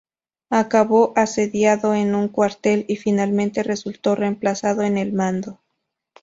Acabó asediado en un cuartel y finalmente resultó reemplazado en el mando.